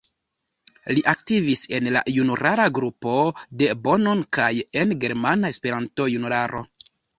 Li aktivis en la junulara grupo de Bonn kaj en Germana Esperanto-Junularo.